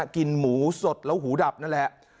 กินหมูสดแล้วหูดับนั่นแหละ